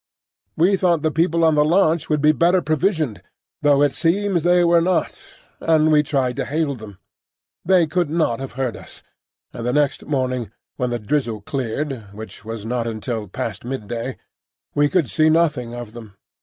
We thought the people on the launch would be better provisioned (though it seems they were not), and we tried to hail them. They could not have heard us, and the next morning when the drizzle cleared,—which was not until past midday,—we could see nothing of them.